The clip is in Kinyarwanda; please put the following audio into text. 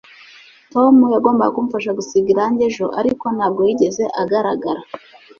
tom yagombaga kumfasha gusiga irangi ejo, ariko ntabwo yigeze agaragara